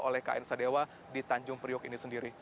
oleh knkt di tanjung priuk ini sendiri